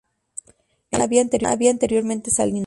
En la zona, había anteriormente salinas.